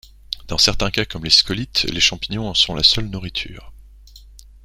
Dans certains cas, comme les scolytes, les champignons en sont la seule nourriture.